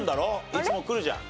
いつもくるじゃん。